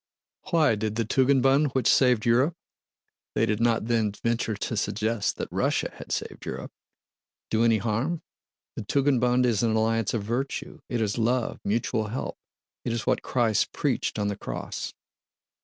"Why? Did the Tugendbund which saved Europe" (they did not then venture to suggest that Russia had saved Europe) "do any harm? The Tugendbund is an alliance of virtue: it is love, mutual help... it is what Christ preached on the Cross."